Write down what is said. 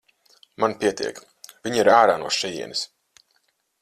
Man pietiek, viņa ir ārā no šejienes.